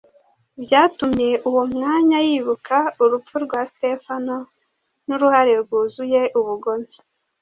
Byatumye uwo mwanya yibuka urupfu rwa Sitefano n’uruhare rwuzuye ubugome